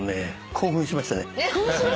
興奮しました？